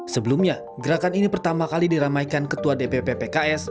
sebelumnya gerakan ini pertama kali diramaikan ketua dpp pks